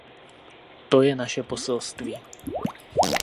To je naše poselství.